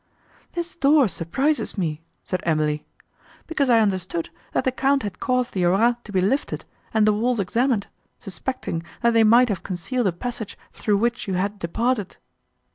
"This door surprises me," said Emily, "because I understood, that the Count had caused the arras to be lifted, and the walls examined, suspecting, that they might have concealed a passage through which you had departed."